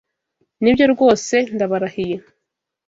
Nibyo rwose. Ndabarahiye.